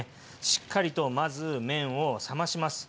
しっかりとまず麺を冷まします。